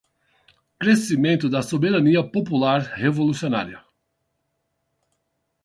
Crescimento da soberania popular revolucionária